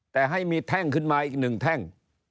แต่ให้มีแท่งขึ้นมาอีกหนึ่งแท่ง